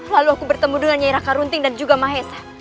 lalu aku bertemu dengan nyaira karunting dan juga mahesa